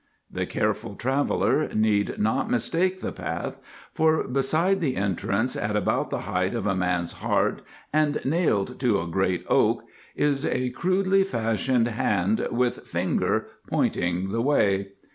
The careful traveller need not mistake the path, for beside the entrance, at about the height of a man's heart and nailed to a great Oak, is a crudely fashioned hand with finger pointing the way.